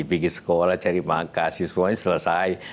pergi sekolah cari makasih semuanya selesai